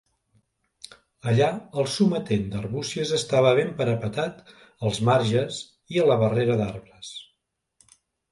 Allà el sometent d'Arbúcies estava ben parapetat als marges i a la barrera d'arbres.